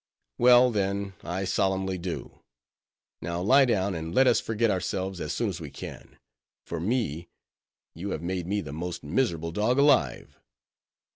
"Well, then, I solemnly do. Now lie down, and let us forget ourselves as soon as we can; for me, you have made me the most miserable dog alive."